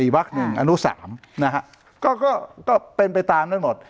๑๘๔วัคหนึ่งอนุสามนะฮะก็ก็ก็เป็นไปตามทั้งหมด